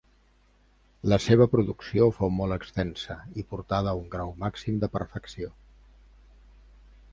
La seva producció fou molt extensa, i portada a un grau màxim de perfecció.